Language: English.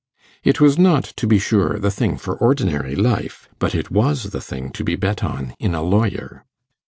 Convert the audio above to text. It was not, to be sure, the thing for ordinary life, but it was the thing to be bet on in a lawyer.